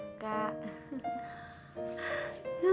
ibu suka sekali